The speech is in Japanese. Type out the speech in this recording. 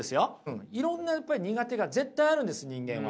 いろんなやっぱり苦手が絶対あるんです人間は。